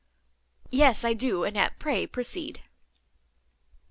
"Yes, I do, Annette; pray proceed."